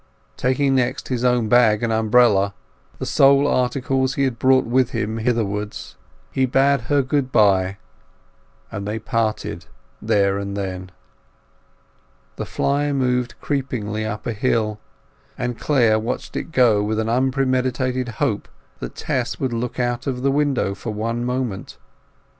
Taking next his own bag and umbrella—the sole articles he had brought with him hitherwards—he bade her goodbye; and they parted there and then. The fly moved creepingly up a hill, and Clare watched it go with an unpremeditated hope that Tess would look out of the window for one moment.